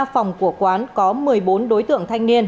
ba phòng của quán có một mươi bốn đối tượng thanh niên